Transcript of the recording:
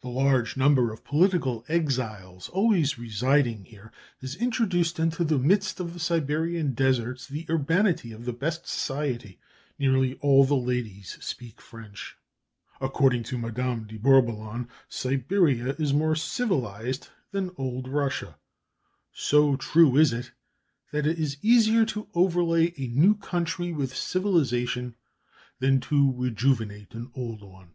The large number of political exiles always residing here has introduced into the midst of the Siberian deserts the urbanity of the best society; nearly all the ladies speak French. According to Madame de Bourboulon, Siberia is more civilized than old Russia; so true is it that it is easier to overlay a new country with civilization than to rejuvenate an old one.